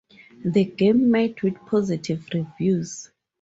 The game met with positive reviews.